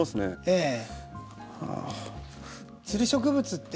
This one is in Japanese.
ええ。